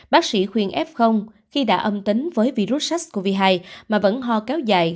bác sĩ khuyên f khi đã âm tính với virus sars cov hai mà vẫn ho kéo dài